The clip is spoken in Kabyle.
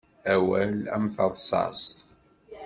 Awal am terṣṣaṣt.